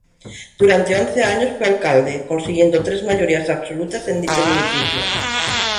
Durante once años fue alcalde consiguiendo tres mayorías absolutas en dicho municipio.